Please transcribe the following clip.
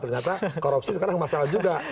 ternyata korupsi sekarang masalah juga